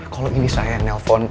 kalau ini saya nelfon